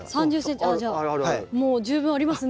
じゃあもう十分ありますね。